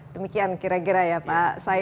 demikian kira kira ya pak said